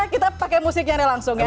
kita pakai musiknya nih langsung ya